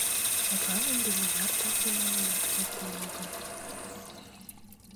Садлан ынде мыняр тылзе маленат кертын огыл.